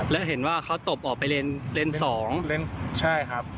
แล้วเห็นว่าเขาตบออกไปเลนส์สองเลนส์ใช่ครับ